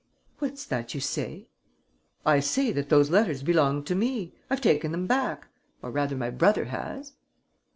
"What's that you say?" "I say that those letters belonged to me. I've taken them back, or rather my brother has."